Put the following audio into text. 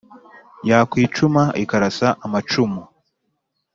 Yakwicuma ikarasa amacumu